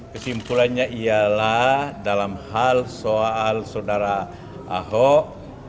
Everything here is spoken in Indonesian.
kesimpulannya ialah dalam hal soal saudara ahok